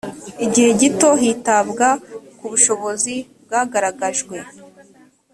igihe gito hitabwa ku bushobozi bwagaragajwe